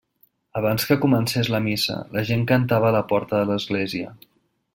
Abans que comencés la missa, la gent cantava a la porta de l'església.